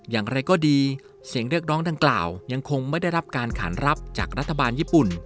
อย่างไรก็ดีเสียงเรียกร้องดังกล่าวยังคงไม่ได้รับการขานรับจากรัฐบาลญี่ปุ่น